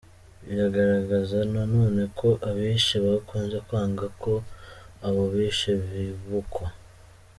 Bigaragaza na none ko abishe bakunze kwanga ko abo bishe bibukwa!